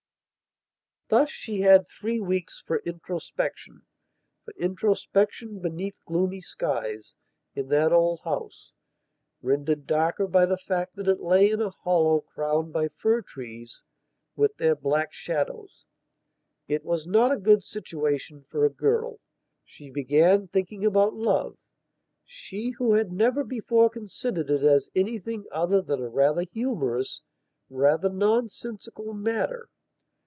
Thus she had three weeks for introspectionfor introspection beneath gloomy skies, in that old house, rendered darker by the fact that it lay in a hollow crowned by fir trees with their black shadows. It was not a good situation for a girl. She began thinking about love, she who had never before considered it as anything other than a rather humorous, rather nonsensical matter.